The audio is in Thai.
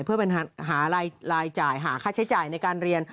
เพื่อเป็นหารายจ่ายหาค่าใช้จ่ายในการเรียน